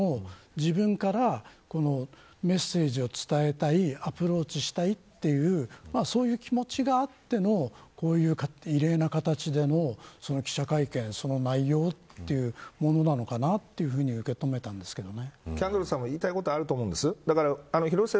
ですから、広末さんに対しても自分からメッセージを伝えたいアプローチしたいというそういう気持ちがあってのこういう異例な形での記者会見その内容というものなのかなと受け止めたんですけどね。